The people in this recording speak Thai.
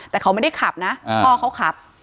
แต่เขาไม่ได้ขับนะพ่อเขาขับ